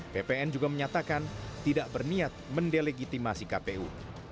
bpn juga menyatakan tidak berniat mendelegitimasi kpu